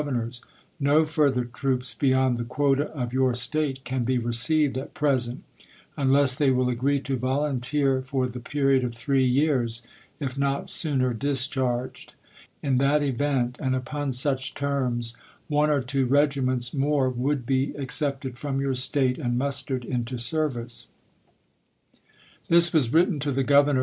ernors: "No further troops beyond the quota of your State can be received at present, unless they will agree to volunteer for the period of three years, if not sooner discharged. In that event, and upon such terms, one or two regiments more SfoK would be accepted from your State and mustered w*/r?' vol into service." This was written to the Governor of iii.